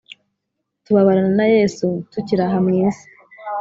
Tubabarana na Yesu, Tukiri aha mw isi.